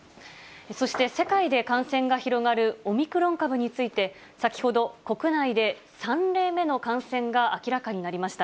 そして世界で感染が広がるオミクロン株について、先ほど、国内で３例目の感染が明らかになりました。